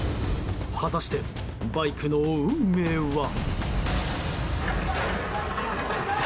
果たして、バイクの運命は？